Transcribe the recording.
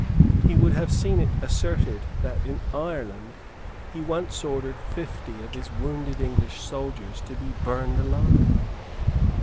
He would have seen it asserted that, in Ireland, he once ordered fifty of his wounded English soldiers to be burned alive.